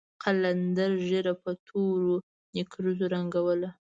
قلندر ږيره په تورو نېکريزو رنګوله.